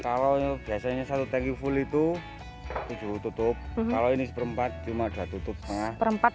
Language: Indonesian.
kalau biasanya satu tank full itu tujuh tutup kalau ini satu per empat lima ada tutup setengah